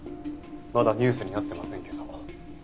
まだニュースになってませんけど。